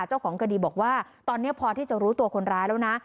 เจ้าของคดีบอกว่าตอนนี้พอที่จะรู้ตัวคนร้ายแล้วนะ